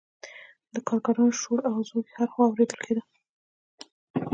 د کارګرانو شور او ځوږ هر خوا اوریدل کیده.